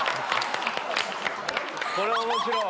これ面白い！